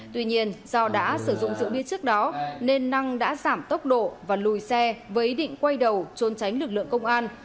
tuy nhiên do đã sử dụng rượu bia trước đó nên năng đã giảm tốc độ và lùi xe với ý định quay đầu trôn tránh lực lượng công an